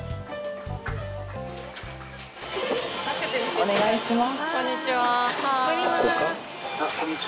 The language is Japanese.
お願いします。